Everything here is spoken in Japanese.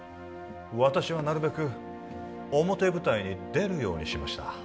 私はなるべく表舞台に出るようにしました